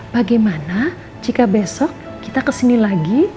bagaimana jika besok kita kesini lagi